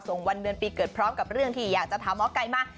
วันเดือนปีเกิดพร้อมกับเรื่องที่อยากจะถามหมอไก่มา